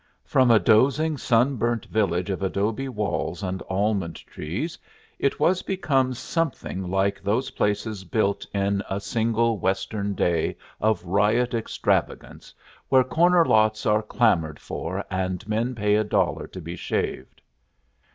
From a dozing sunburnt village of adobe walls and almond trees it was become something like those places built in a single Western day of riot extravagance, where corner lots are clamored for and men pay a dollar to be shaved.